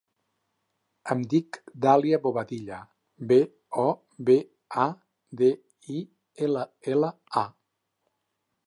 Em dic Dàlia Bobadilla: be, o, be, a, de, i, ela, ela, a.